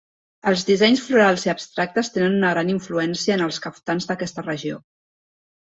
Els dissenys florals i abstractes tenen una gran influència en els caftans d'aquesta regió.